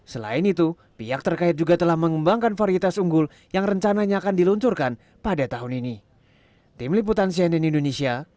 selain itu pihak terkait juga telah mengembangkan varietas unggul yang rencananya akan diluncurkan pada tahun ini